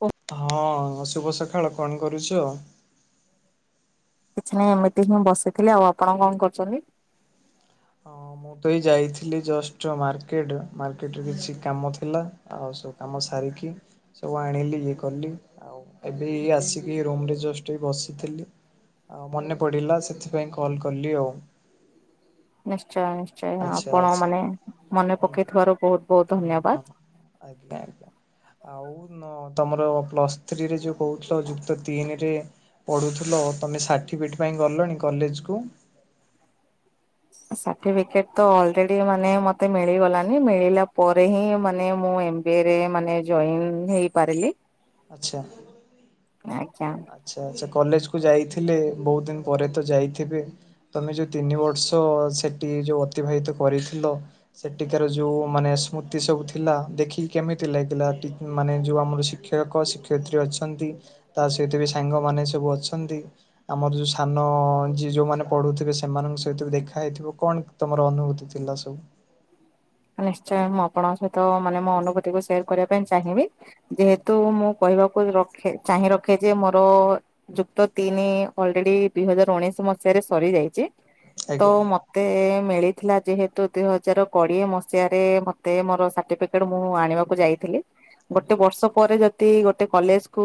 ଓ। ହଁ, ଶୁଭ ସକାଳ କଣ କରୁଛ? କିଛିନାହିଁ ଏମିତି ହିଁ ବସିଥିଲି। ଆଉ ଆପଣ କଣ କରୁଛନ୍ତି। ହଁ ମୁଁ ତ ଏଇ ଯାଇଥିଲି ଜଷ୍ଟ ମାର୍କେଟ, ମାର୍କେଟରେ କିଛି କାମ ଥିଲା। ଆଉ ସବୁ କାମ ସାରିକି ସବୁ ଆଣିଲି ଇଏ କଲି ଆଉ। ଆଉ ଏବେ ଏଇ ଆସିକି ରୁମ୍ ରେ ଜଷ୍ଟ ଏଇ ବସିଥିଲି। ଆଉ ମନେ ପଡ଼ିଲା ସେଥିପାଇଁ କଲ୍ କଲି ଆଉ। ନିଶ୍ଚୟ ନିଶ୍ଚୟ ଆଚ୍ଛା ଆପଣ ଆଚ୍ଛା ମାନେ ମନେ ହୁଁ। ପକେଇଥିବାରୁ ବହୁତ ବହୁତ ହଁ ଧନ୍ୟବାଦ। ହଁ ଆଜ୍ଞା ଆଜ୍ଞା। ଆ ତମର ପ୍ଲସ୍ ଥ୍ରୀରେ ଯୋଉ କହୁଥିଲ ଯୁକ୍ତ ତିନିରେ ପଢୁଥିଲ ତୁମେ ସାର୍ଟିଫିକେଟ୍ ପାଇଁ ଗଲଣି କଲେଜକୁ? ସାର୍ଟିଫିକେଟ ତ ଅଲରେଡି ମାନେ ମତେ ମିଳିଗଲାନି। ମିଳିଲା ପରେ ହିଁ ମାନେ ମୁଁ ଏମିତି ଇଏରେ ଜଏନ୍ ହେଇପାରିଲି। ଆଚ୍ଛା। ଆଜ୍ଞା। ଆଚ୍ଛା ଆଚ୍ଛା। କଲେଜ କୁ ଯାଇଥିଲେ ବହୁତ ଦିନ ପରେ ତ ଯାଇଥିବେ ତମେ ଯୋଉ ତିନି ବର୍ଷ ସେଠି ଯୋଉ ଅତିବାହିତ କରିଥିଲ ସେଠିକାର ଯୋଉ ମାନେ ସ୍ମୃତି ସବୁ ଥିଲା। ଦେଖିକି କେମିତି ଲାଗିଲା? ମାନେ ଯୋଉ ଆମର ଟି ଶିକ୍ଷ ଶିକ୍ଷକ ଶିକ୍ଷୟତ୍ରୀ ଅଛନ୍ତି। ତା ସହିତ ବି ସାଙ୍ଗମାନେ ସବୁ ଅଛନ୍ତି। ଆମର ଯୋଉ ସାନ ଯୋଉମାନେ ପଢୁଥିବେ ସେମାନଙ୍କ ସହିତ ଦେଖା ହେଇଥିବ। କଣ ତମର ଅନୁଭୂତି ଥିଲା ସବୁ? ନିଶ୍ଚୟ ମୁଁ ଆପଣଙ୍କ ସହିତ ମାନେ ମୋ ଅନୁଭୂତିକୁ ସେୟାର କରିବା ପାଇଁ ଚାହିଁବି। ଯେହେତୁ ମୁଁ କହିବାକୁ ରଖେ ଚାହିଁ ରଖେ ଯେ ମୋର ଯୁକ୍ତ ତିନି ଅଲରେଡି ଦୁଇ ହଜାର ଉଣେଇଶି ମସିହାରେ ସରିଯାଇଛି। ତ ଆଜ୍ଞା ମତେ ମିଳିଥିଲା ଯେହେତୁ ଦୁଇ ହଜାର କୋଡିଏ ମସି। ମତେ ମୋର ସାର୍ଟିଫିକେଟ ମୁଁ ଆଣିବାକୁ ଯାଇଥିଲି ଗୋଟେ ଆଜ୍ଞା ବର୍ଷ। ପରେ ଯଦି ଗୋଟେ କଲେଜ କୁ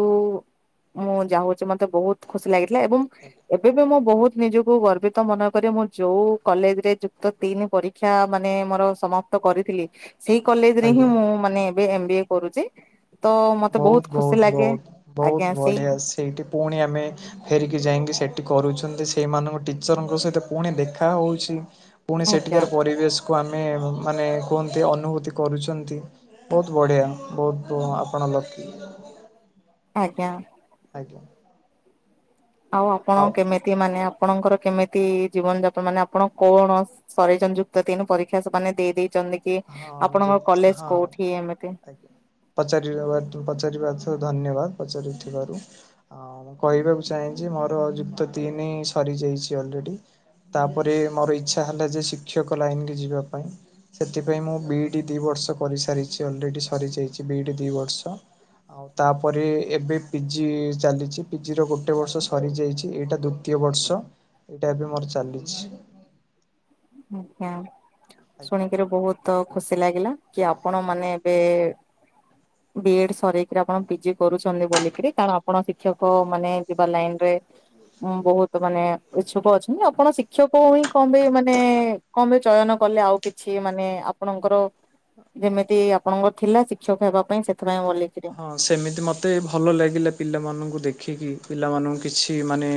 ମୁଁ ଯାଉଛି ମତେ ବହୁତ୍ ଖୁସି ଲାଗିଥିଲା ଏବଂ। ଆଜ୍ଞା। ଏବେ ବି ମୁଁ ବହୁତ୍ ନିଜକୁ ଗର୍ବିତ ମନେକରେ। ମୁଁ ଯୋଉ କଲେଜ ରେ ଯୁକ୍ତ ତିନି ପରିକ୍ଷା। ରିକ୍ଷ୍ୟା ମାନେ ମୋର ସମା। ପ୍ତକରିଥିଲି ସେଇ କଲେଜ ରେ ହିଁ ଆଜ୍ଞା। ମୁଁ ମାନେ ଏବେ ଏମ ବି ଏ କରୁଛି। ତ ମତେ ବହୁତ ବହୁତ୍ ଖୁସି ଲାଗେ ଆଜ୍ଞା ସେଇ। ସେଇଠିପୁଣି ଆମେ। ଫେରିକି ଯାଇକି ସେଠି କରୁଛନ୍ତି ସେଇମାନଙ୍କ ଟିଚରଙ୍କ ସହିତ ପୁଣି ଦେଖା ହଉଛି। ପୁଣି ଆଜ୍ଞା ସେଠିକାର ପରିବେଶ। କୁ ଆମେ ମାନେ କୁହନ୍ତି ଅନୁଭୂତି କରୁଛନ୍ତି ବହୁତ୍ ବଢ଼ିଆ ବହୁତ୍ ଆ। ଆପଣ ଲକି। ଆଜ୍ଞା। ଆଜ୍ଞା। ଆଉ ଆପଣ କେମିତି ମାନେ ଆପଣଙ୍କର କେମିତି ଜୀବନ ଯାପନ ମାନେ ଆପଣ କୌଣସି। ସରେଇ ଯୁକ୍ତ ତିନି ପରୀକ୍ଷା ସେମାନେ ଦେଇ ଦେଇେଛନ୍ତି କି ହଁ ଆପଣଙ୍କ ଯୁକ୍ତ କଲେଜ କୋଉଠି ଏମିତି। ପଚାରି ପଚାରିବାଥ ଧନ୍ୟବାଦ ପଚାରିଥିବାରୁ। ଆଉ ମୁଁ କହିବାକୁ ଚାହେଁ ଯେ ମୋର ଯୁକ୍ତ ତିନି ହିଁ ସରିଯାଇଛି ଅଲରେଡି। ତାପରେ ମୋର ଇଚ୍ଛାହେଲା ଯେ ଶିକ୍ଷକ ଲାଇନ ଯିବା ପାଇଁ। ସେଥିପାଇଁ ମୁଁ ବିଇଡି ଦିଇ ବର୍ଷ କରିସାରିଛି ଅଲରେଡି ସରିଯାଇଛି ବିଇଡି ଦି ବର୍ଷ। ଆଉ ତାପରେ ଏବେ ପିଜି ଚାଲିଛି ପିଜି ର ଗୋଟେ ବର୍ଷ ସରି ଯାଇଛି ଏଇଟା ଦୁ। ଦ୍ୱିତୀୟ ବର୍ଷ ଏଇଟା ଏବେମୋର ଚାଲିଛି। ଆଜ୍ଞା ଆଜ୍ଞା। ଶୁଣିକିରି ବହୁତ ଖୁସି ଲାଗିଲା। କି ଆପଣ ମାନେ ଏବେ ବିଇଡ ସରେଇକି ଆପଣ ପିଜି। କରୁଛନ୍ତି ବୋଲିକିରି କାରଣ ଆପଣ ଶିକ୍ଷକ ମାନେ ଯିବା ଲାଇନ୍ ରେମୁଁ ବହୁତ୍ ମାନେ। ଉଚ୍ଛୁକ ଅଛନ୍ତି ଆପଣ ଶିକ୍ଷକ ହୋଇ କଣ ପାଇଁ ମାନେ। କଣ ପାଇଁ ଚୟନ କଲେ ଆଉ କିଛି ମାନେ ଆପଣଙ୍କର। ଯେମିତି ଆପଣଙ୍କ ଥିଲା ଶିକ୍ଷକ ହେବା ପାଇଁ ସେଥିପାଇଁ ବୋଲିକରି। ହଁ ସେମିତି ମୋତେ ଭଲ ଲାଗିଲା ପିଲାମାନଙ୍କୁ ଦେଖିକି ପିଲାମାନଙ୍କୁ କିଛି ମାନେ।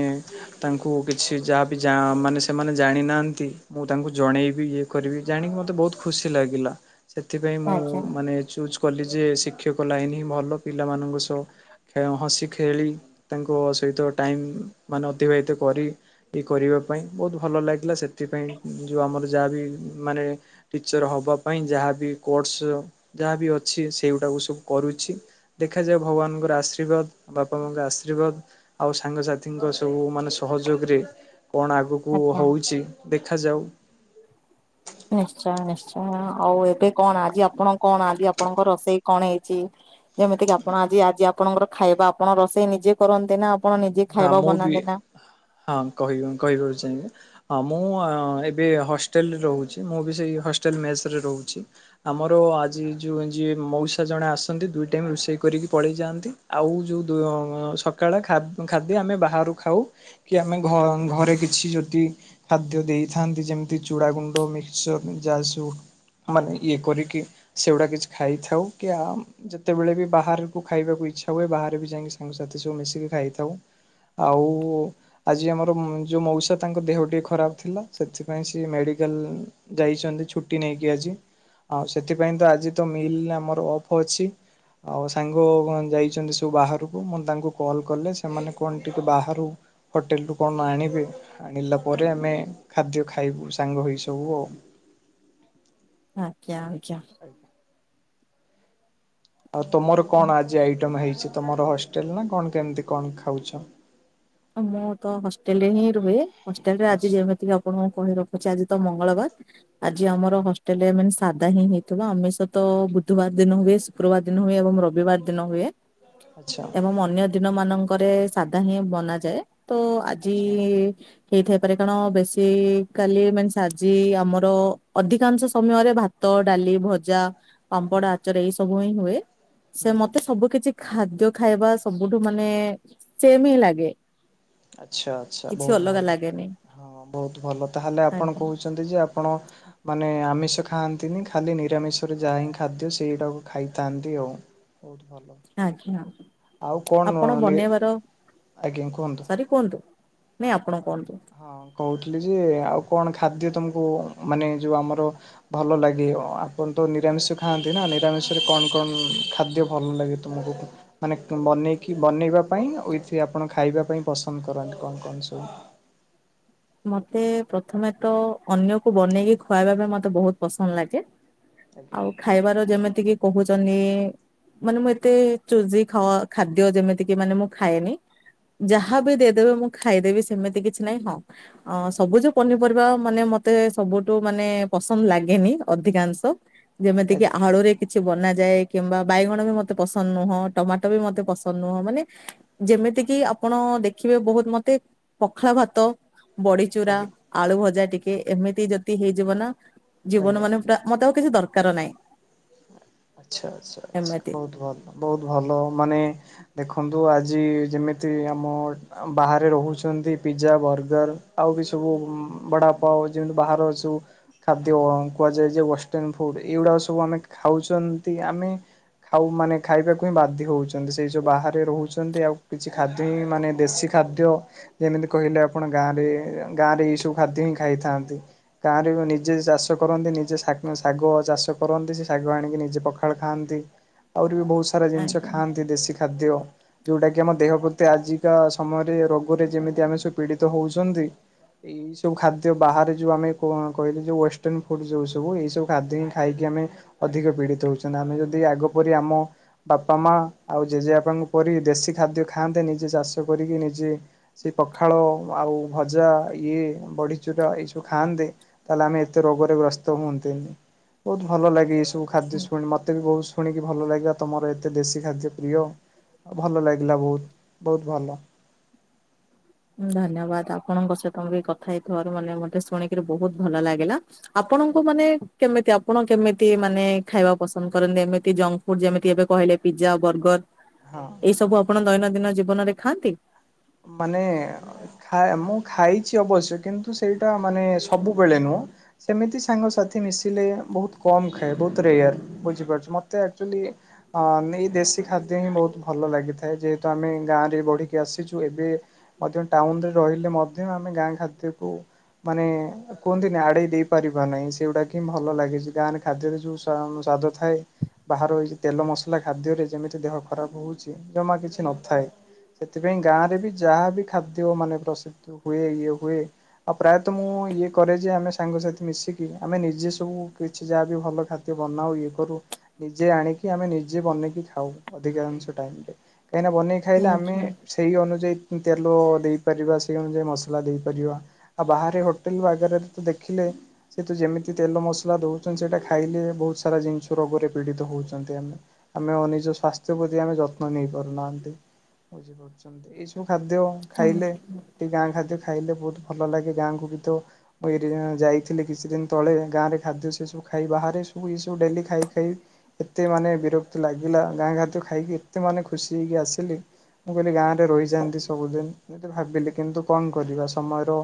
ତାଙ୍କୁ କିଛି ଯାହାବି ଯାହା ମାନେ ସେମାନେ ଜାଣିନାହାଁନ୍ତି। ମୁଁ ତାଙ୍କୁ ଜଣେଇବି ଇଏ କରିବି ଜାଣିକି ମତେ ବହୁତ୍ ଖୁସି ଲାଗିଲା। ସେଥିପାଇଁ ମୁଁ ଆଜ୍ଞା। ମାନେ ଚୁଜ୍ କଲି ଯେ ଶିକ୍ଷକ ଲାଇନ ହିଁ ଭଲ ପିଲାମାନଙ୍କ ସହ। ହସି ଖେଳି ତାଙ୍କ ସହିତ ଟାଇମ୍ ମାନେ ଅତିବାହିତ କରି। କି କରିବା ପାଇଁ ବହୁତ୍ ଭଲଲାଗିଲା ସେଥିପାଇଁ ଯୋଉଆମର ଯାହାବି ମାନେ। ଟିଚର୍ ହବା ପାଇଁ ଯାହାବି କୋର୍ସ ଯାହାବି ଅଛି ସେଇଗୁଡ଼ାକୁ ସବୁ କରୁଛି। ଦେଖାଯାଉ ଭଗବାନ୍ ଙ୍କର ଆଶୀର୍ବାଦ ବାପା ମା ଙ୍କର ଆଶୀର୍ବାଦ। ଆଉ ସାଙ୍ଗସାଥିଙ୍କ ସବୁ ମାନେ ସହଯୋଗ ରେ କଣ ଆଗକୁ। କୁ ଆଜ୍ଞା। ହଉଛି ଦେଖାଯାଉ। ନିଶ୍ଚୟ ନିଶ୍ଚୟ ଆଉ ଏବେ କଣ ଆଜି ଆପଣ କଣ ଆଜି ଆପଣଙ୍କ ରୋଷେଇ କଣ ହେଇଛି? ଯେମିତି କିି ଆପଣ ଆଜି ଆଜି ଆପଣଙ୍କର ଖାଇବା ଆପଣ ରୋଷେଇ ନିଜେ କରନ୍ତି ନା? ଆପଣ ନିଜେ ନା ଖାଇବା ମୁଁ ବି ବନାନ୍ତି ନା? ହଁ କହିବି କହିବାକୁ ଚାହିଁବେ। ହଁ ମୁଁ ଏବେ ହଷ୍ଟେଲରେ ରହୁଛିମୁଁ ବି ସେଇ ହଷ୍ଟେଲ ମେସ୍ ରେ ରହୁଛି। ଆମର ଆଜି ଯଉ ଯିଏ ମଉସା ଜଣେ ଆସନ୍ତି ଦୁଇ ଟାଇମ୍ ରୋଷେଇ କରିକି ପଳେଇ ଯାଆନ୍ତି। ଆଉ ଯୋଉ ଦ ସକାଳ ଖା ଖାଦ୍ୟ ଆମେ ବାହାରୁ ଖାଉ କି ଆମେ ଘ ଘରେ କିଛି ଯଦି ଖାଦ୍ୟ ଦେଇଥାନ୍ତି। ଯେମିତି ଚୁଡ଼ା ଗୁଣ୍ଡ ମିକ୍ସଚର ଯାସୁ ମାନେ ଇଏ କରିକି ସେଗୁଡା କିଛି ଖାଇଥାଉ କି ଆ ଯେତେବେଳେ ବି ବାହାରକୁ ଖାଇବାକୁ ଇଚ୍ଛା ହୁଏ ବାହାରେ ବି ଯାଇକି ସାଙ୍ଗ ସାଥି ସବୁ ମିଶିକି ଖାଇଥାଉ। ଆଉ ଆଜି ଆମର ଯେଉଁ ମଉସା ତାଙ୍କ ଦେହ ଟିକେ ଖରାପ ଥିଲା ସେଥିପାଇଁ ସିଏ ମେଡିକାଲ ଯାଇଛନ୍ତି ଛୁଟି ନେଇକି ଆଜି। ଆଉ ସେଥିପାଇଁ ତ ଆଜି ତ ମିଲ୍ ଆମର ଅଫ୍ ଅଛି। ଆଉ ସାଙ୍ଗ ଯାଇଛନ୍ତି ସବୁ ବାହାରକୁ ମୁଁ ତାଙ୍କୁ କଲ୍ କଲେ ସେମାନେ କଣ ଟିକେ ବାହାରୁ ହୋଟେଲରୁ କଣ ଆଣିବେ ଆଣିଲା ପରେ ଆମେ ଖାଦ୍ୟ ଖାଇବୁ ସାଙ୍ଗ ହୋଇସବୁ ଆଉ। ଆଜ୍ଞା ଆଜ୍ଞା। [unintelligible] ଆଉ ତମର କଣ ଆଜି ଆଇଟମ ହେଇଛି ତମର ହଷ୍ଟେଲ ନା କଣ କେମିତି କଣ ଖାଉଛ? ମୁଁ ତ ହଷ୍ଟେଲ ରେ ହିଁ ରୁହେ ହଷ୍ଟେଲ ରେ ଆଜି ଆଚ୍ଛା ଯେମିତି ଆପଣଙ୍କୁ କହି ରଖୁଛି ଆଜି ତ ମଙ୍ଗଳବାର। ଆଜି ଆମର ହଷ୍ଟେଲରେ ମାନେ ସାଧା ହିଁ ହେଇଥିବ ଆମିଷ ତ ବୁଧବାର ଦିନ ହୁଏ ଶୁକ୍ରବାର ଦିନ ହୁଏ ଏବଂ ରବିବାର ଦିନ ହୁଏ।। ଆଚ୍ଛା। ଏବଂ ଅନ୍ୟ ଦିନ ମାନଙ୍କରେ ସାଧା ହିଁ ବନାଯାଏ ତ ଆଜି ଆଚ୍ଛା ହେଇଥାଇପାରେ କାରଣ ବେଶି କାଲି ମାନେ ସା ଆଜି ଆମର ଅଧିକାଂଶ ସମୟରେ ଭା ଭାତ ଡାଲି ଭଜା ପାମ୍ପଡ ହୁଁ ଆଚାର ଏଇ ସବୁ ହିଁ ହୁଏ। ସେ ହୁଁ। ମତେ ମତେ ସବୁ କିଛି ଖାଦ୍ୟ ଖାଇବା ସବୁଠୁ ମାନେ ସେମ ହିଁ ଲାଗେ। ଆଚ୍ଛା ଆଚ୍ଛା କିଛି ବହୁତ ଅଲଗା ଭଲ। ଲାଗେନି ହଁ ବହୁତ ଭଲ ତାହେଲେ ଆପଣ ଆଜ୍ଞା କହୁଛନ୍ତି ଯେ ଆପଣ ମାନେ ଆମିଷ ଖାଆନ୍ତିନି ଖାଲି ନିରାମିଷରେ ଯାହା ହିଁ ଖାଦ୍ୟ ସେଇଟାକୁ ଖାଇଥାନ୍ତି ଆଉ। ବହୁତ ଭଲ ଆଜ୍ଞା ଆଉ କଣ ଆପଣ ନି ବନେଇବାର ଆଜ୍ଞା କୁହନ୍ତୁ? ସରି କୁହନ୍ତୁ? ନାଇଁ ଆପଣ କୁହନ୍ତୁ ହଁ କହୁଥିଲି ଯେ ଆଉ କଣ ଖାଦ୍ୟ ତମକୁ ମାନେ ଯୋଉ ଆମର ଭଲ ଲାଗେ। ଆପଣ ତ ନିରାମିଷ ଖାଆନ୍ତି ନା ନିରାମିଷରେ କଣ କଣ ଖାଦ୍ୟ ଭଲ ଲାଗେ? [unintelligible] ମାନେ ବନେଇକି ବନେଇବା ପାଇଁ ଉଇଥ ଆପଣ ଖାଇବା ପାଇଁ ପସନ୍ଦ କରନ୍ତି କଣ କଣ ସବୁ? ମତେ ପ୍ରଥମେ ତ ଅନ୍ୟକୁ ବନେଇକି ଖୁଆଇବା ପାଇଁ ମତେ ବହୁତ ପସନ୍ଦ ଲାଗେ। ଆଜ୍ଞା ଆଉ ଖାଇବାର ଯେମିତି କିି କହୁଛନ୍ତି ମାନେ ମୁଁ ଏତେ ଚୁଜି ଖ ଖାଦ୍ୟ ଯେମିତି କି ମାନେ ମୁଁ ଖାଏନି। ଯାହା ଆଚ୍ଛା ବି ଦେଇଦେବେ ମୁଁ ଖାଇଦେବି ସେମିତି କିଛି ନାହିଁ ହଁ। ଅ ସବୁଜ ପନିପରିବା ମାନେ ମତେ ସବୁଠୁ ମାନେ ପସନ୍ଦ ଲାଗେନି ଅଧିକାଂଶ। ଯେମିତି କିି ଆଜ୍ଞା। ଆଳୁରେ କିଛି ବନାଯାଏ କିମ୍ବା ବାଇଗଣ ବି ମତେ ପସନ୍ଦ ନୁହଁ ଟମାଟୋ ବି ମତେ ପସନ୍ଦ ନୁହଁ ମାନେ ଯେମିତି କିି ଆପଣ ଦେଖିବେ ବହୁତ ମତେ ପଖାଳ ଭାତ ବଡିଚୁରା ଆଜ୍ଞା ଆଳୁ ଭଜା ଟିକେ ଏମିତି ଯଦି ହେଇଯିବ ନା ଆଜ୍ଞା ଜୀବନ ମାନେ ପୁରା। ମତେ ଆଉ କିଛି ଦରକାର ନାହିଁ। ଆଚ୍ଛା ଆଚ୍ଛା ଆଛା ଏମିତି ବହୁତ ଭଲ ବହୁତ ଭଲ ମାନେ ଦେଖନ୍ତୁ ଆଜି ଯେମିତି ଆମ ବାହାରେ ରହୁଛନ୍ତି ପିଜା ବର୍ଗର ଆଉ ବି ସବୁ ବଡ଼ାପ ଯେମିତି ବାହହାର ଅ ସୁ। ଖାଦ୍ୟ କୁହାଯାଏ ଯେ ୱେଷ୍ଟର୍ଣ ଫୁଡ ଏଇଗୁଡା ସବୁ ଆମେ ଖାଉଛନ୍ତି ଆମେ ଆଉ ମାନେ ଖାଇବାକୁ ହିଁ ବାଧ୍ୟ ହଉଛନ୍ତି ସେଇ ଯଉ ବାହାରେ ରହୁଛନ୍ତି ଆଉ କିଛି ଖାଦ୍ୟ ହିଁ ମାନେ ଦେଶୀ ଖାଦ୍ୟ ଯେମିତି କହିଲେ ଆପଣ ଗାଁ ରେ ଗାଁ ରେ ଏଇ ସବୁ ଖାଦ୍ୟ ହିଁ ଖାଇଥାନ୍ତି। ଗାଁ ରେ ନିଜେ ଚାଷ କରନ୍ତି ନିଜେ ଶାଗ ଚାଷ କରନ୍ତି ସେ ଶାଗ ଆଣିକି ନିଜେ ପଖାଳ ଖାଆନ୍ତି ଆହୁରି ବି ବହୁତ ସାରା ଜିନିଷ ଆଜ୍ଞା ଖାଆନ୍ତି ଦେଶୀ ଖାଦ୍ୟ ଯୋଉଟା କି ଆମ ଦେହ ପ୍ରତି ଆଜିକା ସମୟରେ ରୋଗରେ ଯେମିତି ଆମେ ସବୁ ପୀଡିତ ହଉଛନ୍ତି। ଏଇ ସବୁ ଖାଦ୍ୟ ବାହାରେ ଯୋଉ ଆମେ କ କହିଲେ ଯୋଉ ୱଷ୍ଟର୍ଣ ଫୁଡ ଯୋଉ ସବୁ ଏଇ ସବୁ ଖାଦ୍ୟ ହିଁ ଖାଇକି ଆମେ ଅଧିକ ପୀଡିତ ହଉଛନ୍ତି ଆମେ ଯଦି ଆଗ ପରି ଆମ ବାପା ମା ଆଉ ଜେଜେ ବାପା ଙ୍କ ପରି ଦେଶୀ ଖାଦ୍ୟ ଖାଆନ୍ତେ ନିଜେ ଚାଷ କରିକି ନିଜେ ସେ ପଖାଳ ଆଉ ଭଜା ଇଏ ବଢିଚୁରୁରା ଏଇ ସବୁ ଖାଆନ୍ତେ ତାହେଲେ ଆମେ ଏତେ ରୋଗରେ ଗ୍ରସ୍ତ ହୁଅନ୍ତେନି ବହୁତ ଭଲ ଲାଗେ ଏ ସବୁ ଖାଦ୍ୟ ଶୁଣି ମତେ ବି ବହୁତ ଶୁଣିକି ଭଲ ଲାଗିବ ତମର ଏତେ ଦେଶୀ ଖାଦ୍ୟ ପ୍ରିୟ। ଆଉ ଭଲ ଲାଗିଲା ବହୁତ ବହୁତ ଭଲ। ହଁ ଧନ୍ୟବାଦ ଆପଣଙ୍କ ସହିତ ମୁ ବି କଥା ହେଇଥିବାରୁ ମାନେ ମତେ ଶୁଣିକିରି ବହୁତ ଭଲ ଲାଗିଲା। ଆପଣଙ୍କୁ ମାନେ କେମିତି ଆପଣ କେମିତି ମାନେ ଖାଇବା ପସନ୍ଦ କରନ୍ତି ଏମିତି ଜଙ୍କ ଫୁଡ ଯେମିତି ଏବେ କହିଲେ ପିଜା ବର୍ଗର। ହଁ। ଏଇ ସବୁ ଆପଣ ଦୈନନ୍ଦିନ ଜୀବନରେ ଖାଆନ୍ତି। ମାନେ ଖାଏ ମୁଁ ଖାଇଛି ଅବଶ୍ୟ କିନ୍ତୁ ସେଇଟା ମାନେ ସବୁବେଳେ ନୁହଁ ସେମିତି ସାଙ୍ଗସାଥି ମିଶିଲେ ବହୁତ କମ୍ ଖାଏ ବହୁତ ରେୟାର ବୁଝିପାରୁଛ ମତେ ଆଚୁଆଲି। ହଁ ଆମେ ଏଇ ଦେଶୀ ଖାଦ୍ୟ ହିଁ ବହୁତ ଭଲ ଲାଗିଥାଏ ଯେହେତୁ ଆମେ ଗାଁରେ ବଢିକି ଆସିଛୁ ଏବେ ମଧ୍ୟ ଟାଉନ ରେ ରହିଲେ ମଧ୍ୟ ଆମେ ଗାଁ ଖାଦ୍ୟକୁ ମାନେ କୁହନ୍ତିିନି ଆଡେଇ ଦେଇ ପାରିବା ନାହିଁ ସେଗୁଡା କି ଭଲ ଲାଗିଛି ଗାଁରେ ଖାଦ୍ୟରେ ଯୋଉ ସ୍ଵାଦ ଥାଏ। ବାହାର ହେଇଛି ତେଲ ମସଲା ଖାଦ୍ୟରେ ଯେମିତି ଦେହ ଖରାପ ହେଉଛି ଜମା କିଛି ନଥାଏ। ସେଥିପାଇଁ ଗାଁରେ ବି ଯାହାବି ଖାଦ୍ୟ ମାନେ ପ୍ରସିଦ୍ଧ ହୁଏ ଇଏ ହୁଏ। ଆଉ ପ୍ରାୟତଃ ମୁଁ ଇଏ କରେ ଯେ ଆମେ ସାଙ୍ଗସାଥି ମିଶିକି ଆମେ ନିଜେ ସବୁ କିଛି ଯାହାବି ହୋଉ ଭଲ ଖାଦ୍ୟ ଟିକେ ବନାଉ ଇଏ କରୁ ନିଜେ ଆଣିକି ଆମେ ନିଜେ ବନେଇକି ଖାଉ ଅଧିକାଂଶ ଟାଇମରେ ଏଇନା ବନେଇ ଖାଇଲେ ଆମେ ଆଚ୍ଛା ସେଇ ଅନୁଯାୟୀ ତେଲ ଦେଇପାରିବା ସେଇ ଅନୁଯାୟୀ ମସଲା ଦେଇପାରିବା। ଆଉ ବାହାରେ ହୋଟେଲ ବଗାରରେ ତ ଦେଖିଲେ। ସେ ହେତୁ ଯେମିତି ତେଲ ମସଲା ଦେଉଛନ୍ତି ସେଇଟା ଖାଇଲେ ବହୁତ ସାରା ଜିନିଷ ରୋଗରେ ପୀଡ଼ିତ ହେଉଛନ୍ତି ଆମେ। ଆମେ ନିଜ ସାସ୍ଥ୍ୟ ପ୍ରତି ଆମେ ଯତ୍ନ ନେଇ ପାରୁନାହାନ୍ତି ବୁଝିପାରୁଛ। ଏଇ ସବୁ ଖାଦ୍ୟ ଖାଇଲେ ଟିକେ ଗାଁ ଖାଦ୍ୟ ଖାଇଲେ ବହୁତ ଭଲ ଲାଗେ ଗାଁକୁ ଗତ କହିବେ ଏଇଠି ଯା ଯାଇଥିଲି କିଛି ଦିନ ତଳେ ଗାଁ ରେ ଖାଦ୍ୟ ସେ ସବୁ ଖାଇ ବାହାରେ ସବୁ ଏଇ ସବୁ ଡେଲି ଖାଇ ଖାଇ ଏତେ ମାନେ ବିରକ୍ତି ଲାଗିଲା ଗାଁ ଖାଦ୍ୟ ଖାଇକି ଏତେ ମାନେ ଖୁସି ହେଇକି ଆସିଲି ମୁଁ କହିଲି ଗାଁ ରେ ରହିଯାଆନ୍ତି ସବୁଦିନି ମୁଁ ତ ଭାବିଲି କିନ୍ତୁ କଣ କରିବା ସମୟର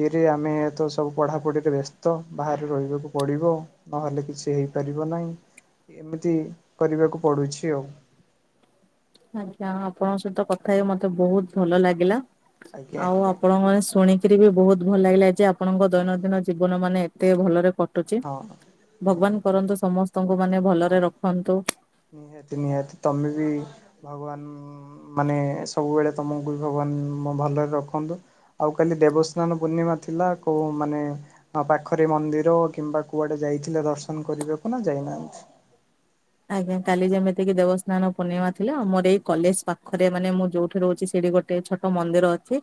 ଇଏରେ ଆମେ ତ ସବୁ ପଢ଼ାପଢ଼ିରେ ବ୍ୟସ୍ତ ବାହାରେ ରହିବାକୁ ପଡ଼ିବ। ନହେଲେ କିଛି ହେଇପାରିବ ନାହିଁ ଏମିତି କରିବାକୁ ପଡୁଛି ଆଉ। ଆଜ୍ଞା ଆପଣଙ୍କ ସହିତ କଥା ହେଇ ମତେ ବହୁତ ଭଲ ଲାଗିଲା। ଆଜ୍ଞା ଆଉ ଆଜ୍ଞା ଆପଣଙ୍କ କଥା ଶୁଣିକିରି ବି ବହୁତ ଭଲ ଲାଗିଲା ଯେ ଆପଣଙ୍କ ଦୈନନ୍ଦିନ ଜୀବନ ମାନେ ଏତେ ଭଲରେ କଟୁଛି ହଁ ହୁଁ ଭଗବାନ ହୁଁ କରନ୍ତୁ ସମସ୍ତଙ୍କୁ ମାନେ ହଁ ଭଲରେ ରଖନ୍ତୁ। ନିହାତି ନିହାତି ତମେ ବି ଭଗବାନ ମାନେ ସବୁବେଳେ ତମକୁ ବି ଭଗବାନ ଭଲରେ ରଖନ୍ତୁ। ଆଉ କାଲି ଦେବସ୍ନାନ ପୂର୍ଣ୍ଣିମା ଥିଲା କୋଉ ମାନେ ପାଖରେ ମନ୍ଦିର କିମ୍ବା କୁଆଡେ ଯାଇଥିଲେ ଦର୍ଶନ କରିବାକୁ ନା ଯାଇନାହାନ୍ତି? ଆଜ୍ଞା କାଲି ଯେମିତିକି ଦେବସ୍ନାନ ପୂର୍ଣ୍ଣିମା ଥିଲା ଆ ମୋର ଏଇ କଲେଜ ପାଖରେ ମାନେ ମୁଁ ଯୋଉଠୁ ରହୁଛି ସେଇଠି ଗୋଟେ ଗୋଟେ ଛୋଟ ମନ୍ଦିର ଅଛି।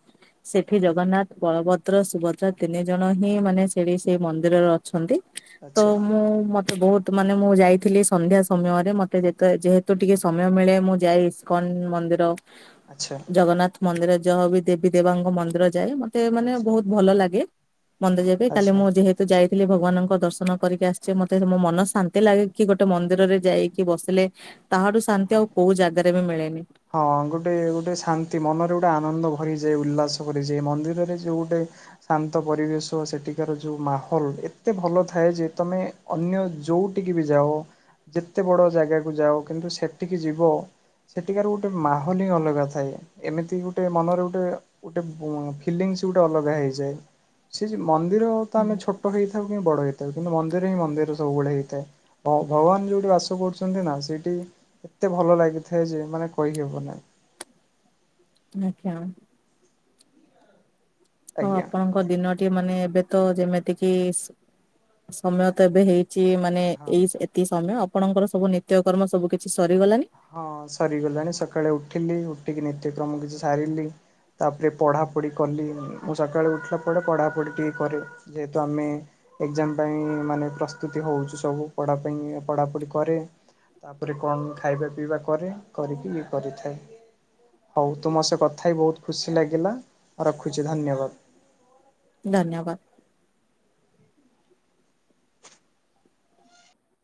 ସେଠି ଜଗନ୍ନାଥ, ବଳଭଦ୍ର, ସୁଭଦ୍ରା ତିନି ଜଣ ହିଁ ମାନେ ସେଠି ସେଇ ମନ୍ଦିରରେ ଅଛନ୍ତି ତ ଆଚ୍ଛା ମୁଁ ମତେ ବହୁତ ମାନେ ମୁଁ ଯାଇଥିଲି ସନ୍ଧ୍ୟା ସମୟରେ ମତେ ଯେ ଯେହେତୁ ଟିକେ ସମୟ ମିଳେ ମୁଁ ଯାଏ ଇସ୍କନ୍ ମନ୍ଦିର। ଆଚ୍ଛା। ଜଗନ୍ନାଥ ମନ୍ଦିର ଯହା ବି ଦେବୀ ଦେବାଙ୍କ ମନ୍ଦିର ଯାଏ ମତେ ମାନେ ଆଚ୍ଛା ବହୁତ ଭଲ ଲାଗେ। ମନ୍ଦିର ଯିଵା ପାଇଁ କାଲି ଆଚ୍ଛା ମୁଁ ଯେହେତ ତ ଯାଇଥିଲି ଭଗବାନଙ୍କ ଦର୍ଶନ କରିକି ଆସିଛି ମତେ ମୋ ମନ ଶାନ୍ତି ଲାଗେ କି ଗୋଟେ ମନ୍ଦିରରେ ଯାଇକି ବସିଲେ ତାହାଠୁ ଶାନ୍ତି ହଁ ଆଉ କୋଉ ଜାଗାରେ ବି ମିଳେନି। ହଁ ଗୋଟେ ଗୋଟେ ଶାନ୍ତି ମନରେ ଗୋଟେ ଆନନ୍ଦ ଭରିଯାଏ ଉଲ୍ଲାସ ଭରିଯାଏ ମନ୍ଦିରରେ ଯୋଉଁ ଗୋଟେ ଶାନ୍ତ ପରିବେଶ ସେଠିକାର ଯୋଉ ମାହୋଲ ଏତେ ଭଲ ଥାଏ ଯେ ତମେ ଅନ୍ୟ ଯୋଉଠିକି ବି ଯାଅ ଯେତେ ବଡ଼ ଜାଗାକୁ ଯାଅ କିନ୍ତୁ ସେଠିକି ଯିବ ଏଠିକାର ଗୋଟେ ମାହୋଲ ହିଁ ଅଲଗା ଥାଏ ଏମିତି ଗୋଟେ ମନରେ ଗୋଟେ ଫିଲିଙ୍ଗସ୍ ଗୋଟେ ଅଲଗା ହୋଇଯାଏ ସେ ଯେ ମନ୍ଦିର ତ ଆମେ ଛୋଟ ଛୋଟ ହେଇଥାଉ କି ବଡ଼ ହେଇଥାଉ କିନ୍ତୁ ମନ୍ଦିର ହିଁ ମନ୍ଦିର ସବୁବେଳେ ହେଇଥାଏ। ଔ ଭଗବାନ ଯୋଉଠି ବାସ କରୁଛନ୍ତି ନା ସେଇଠି ଏତେ ଭଲ ଲାଗିଥାଏ ଯେ ମାନେ କରିହେବନାହିଁ। ଆଜ୍ଞା। ହଁ ଆଜ୍ଞା। ଆପଣଙ୍କ ଦିନଟି ମାନେ ଏବେ ତ ଯେମିତି କିି ସମୟ ତ ଏବେ ହେଇ ମାନେ ହଁ ଏଇ ଏତିକି ସମୟ ଆପଣଙ୍କର ସବୁ ନିତ୍ୟକର୍ମ ସବୁ କିଛି ସରିଗଲାଣିି? ହଁ ସରିଗଲାଣି ସକାଳେ ଉଠିଲି ଉଠିକି ନିତ୍ୟକ୍ରମ କିଛି ସାରିଲି। ତାପରେ ପଢ଼ାପଢ଼ି କଲି ମୁଁ ସକାଳେ ଉଠିଲା ପରେ ପଢ଼ାପଢ଼ି ଟିକେ କରେ। ଯେହେତୁ ଆମେ ଏକଜାମ୍ ପାଇଁ ମାନେ ପ୍ରସ୍ତୁତି ହଉଛି ସବୁ ପଢା ପାଇଁ ପଢାପଢି କରେ। ତାପରେ କଣ ଖାଇବା ପିଇବା କରେ କରିକି ଇଏ କରିଥାଏ। ହଉ ତୁ ମୋ ସେ କଥା ହି ବହୁତ ଖୁସି ଲାଗିଲା ରଖୁଛି ଧନ୍ୟବାଦ। ଧନ୍ୟବାଦ।